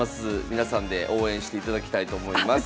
皆さんで応援していただきたいと思います。